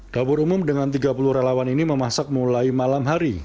dapur umum dengan tiga puluh relawan ini memasak mulai malam hari